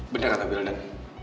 bener kata beladan